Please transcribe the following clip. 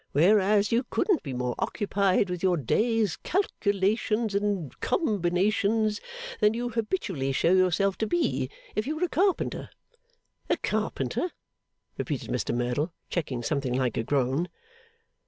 Whereas you couldn't be more occupied with your day's calculations and combinations than you habitually show yourself to be, if you were a carpenter.' 'A carpenter!' repeated Mr Merdle, checking something like a groan.